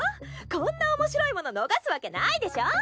こんな面白いもの逃すわけないでしょう。